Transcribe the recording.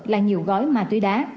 là nhiều gói mà túi đá